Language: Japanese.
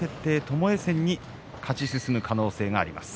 ともえ戦に勝ち進む可能性があります。